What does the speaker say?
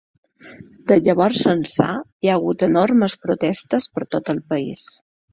De llavors ençà, hi ha hagut enormes protestes per tot el país.